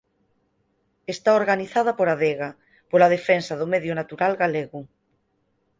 Está organizada por Adega, pola defensa do medio natural galego.